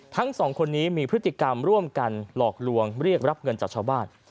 ทั้งสองคนนี้มีพฤติกรรมร่วมกันหลอกลวงเรียกรับเงินจากชาวบ้าน